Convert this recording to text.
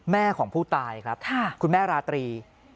แม่ของผู้ตายครับคุณแม่ราตรี